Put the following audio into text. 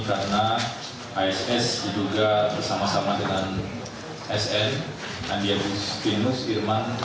karena ass diduga bersama sama dengan sn andi agus finus irman